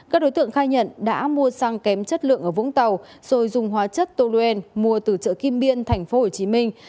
các đối tượng khai nhận đã mua xăng kém chất lượng ở vũng tàu rồi dùng hóa chất to luen mua từ chợ kim biên thành phố hồ chí minh